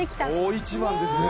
大一番ですね。